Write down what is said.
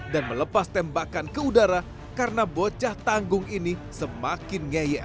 dan melepas tembakan ke udara karena bocah tanggung ini semakin ngeyel